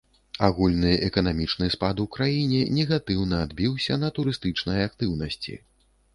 Агульны эканамічны спад у краіне негатыўна адбіўся на турыстычнай актыўнасці.